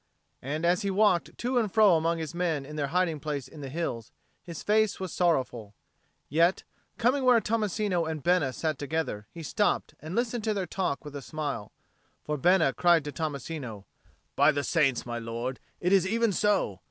And as he walked to and fro among his men in their hiding place in the hills, his face was sorrowful. Yet, coming where Tommasino and Bena sat together, he stopped and listened to their talk with a smile. For Bena cried to Tommasino, "By the saints, my lord, it is even so!